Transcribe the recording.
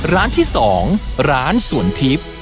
ร้านที่๒ร้านสวนทิพย์